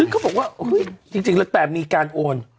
เขาบอกว่าจริงแล้วแต่มีการโอน